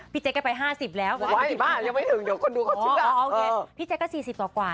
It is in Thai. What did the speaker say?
พี่เจ๊ก็ไปห้าสิบแล้วไว้บ้านยังไม่ถึงเดี๋ยวคนดูเขาช่วยพี่เจ๊ก็สี่สิบกว่า